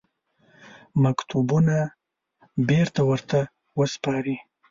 مکتوبونه بېرته ورته وسپاري.